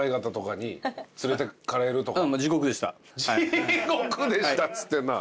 地獄でしたっつってんな。